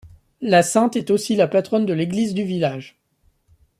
La sainte est aussi la patronne de l'église du village.